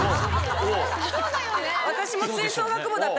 そうだよね。